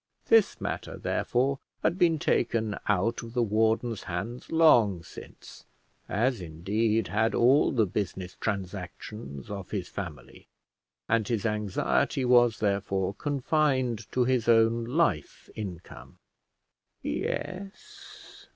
This matter, therefore, had been taken out of the warden's hands long since, as, indeed, had all the business transactions of his family, and his anxiety was, therefore, confined to his own life income. Yes.